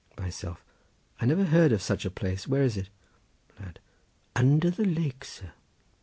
Myself.—I never heard of such a place. Where is it? Lad.—Under the lake, sir.